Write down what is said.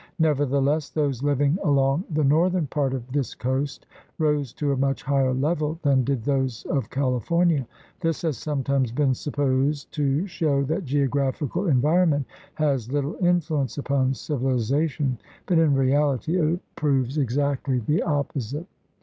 Nevertheless those living along the northern part of this coast rose to a much higher level than did those of California. This has sometimes been supposed to show that geographical environment has little influence upon civilization, but in reality it proves exactly the opposite.